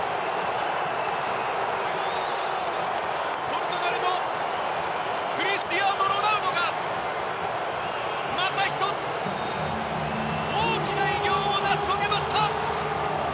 ポルトガルのクリスティアーノ・ロナウドがまた１つ大きな偉業を成し遂げました！